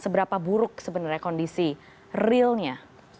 seberapa buruk sebenarnya kondisi realnya